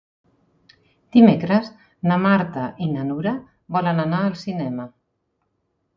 Dimecres na Marta i na Nura volen anar al cinema.